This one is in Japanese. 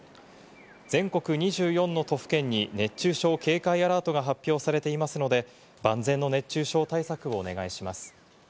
全国２４の都府県に熱中症警戒アラートが発表されていますので、万全の熱中症対策をお願いします。